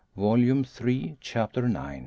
Volume Three, Chapter IX.